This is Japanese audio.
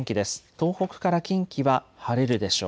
東北から近畿は晴れるでしょう。